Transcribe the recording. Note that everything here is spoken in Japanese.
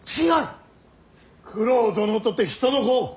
九郎殿とて人の子。